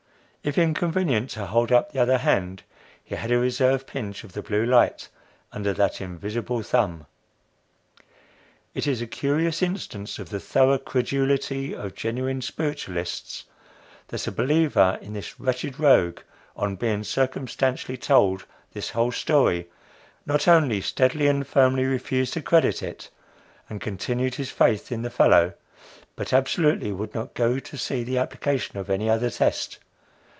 If inconvenient to hold up the other hand, he had a reserve pinch of blue light under that invisible thumb. It is a curious instance of the thorough credulity of genuine spiritualists that a believer in this wretched rogue, on being circumstantially told this whole story, not only steadily and firmly refused to credit it, and continued his faith in the fellow, but absolutely would not go to see the application of any other test.